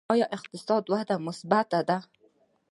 آیا اقتصادي وده مثبته ده؟